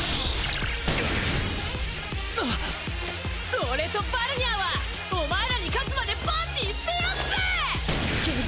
俺とバルニャーはお前らに勝つまでパーティしてやんぜ！